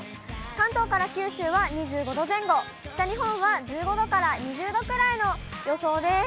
関東から九州は２５度前後、北日本は１５度から２０度くらいの予想です。